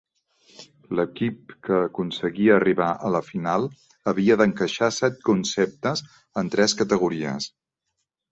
L'equip que aconseguia arribar a la final havia d'encaixar set conceptes en tres categories.